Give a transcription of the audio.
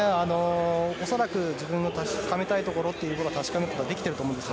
恐らく自分の確かめたいところを確かめることができたと思います。